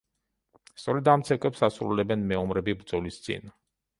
სწორედ ამ ცეკვებს ასრულებდნენ მეომრები ბრძოლის წინ.